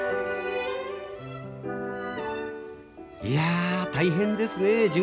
いや大変ですねえ